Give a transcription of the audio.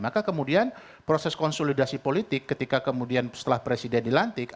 maka kemudian proses konsolidasi politik ketika kemudian setelah presiden dilantik